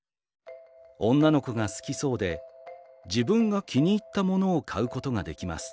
女の子が好きそうで自分が気に入ったものを買うことができます。